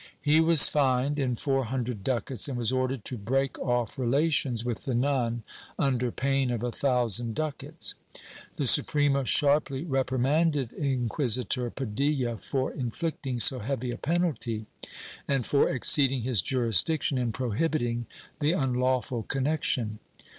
He was fined in four hundred ducats, and was ordered to break off relations with the nun under pain of a thousand ducats. The Suprema sharply reprimanded Inquisitor Padilla for inflicting so heavy a penalty and for exceeding his jurisdiction in prohibiting the unlawful connection.